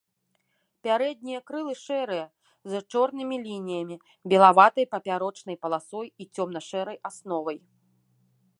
Пярэднія крылы шэрыя, з чорнымі лініямі, белаватай папярочнай паласой і цёмна-шэрай асновай.